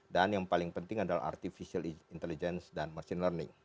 dan yang paling penting adalah artificial intelligence dan machine learning